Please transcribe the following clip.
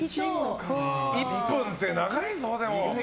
１分って長いぞ。